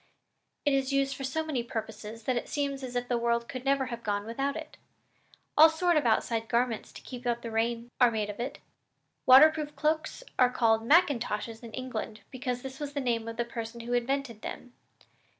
It is used for so many purposes that it seems as if the world could never have gone on without it. All sorts of outside garments to keep out the rain are made of it. Waterproof cloaks are called macintoshes in England because this was the name of the person who invented them.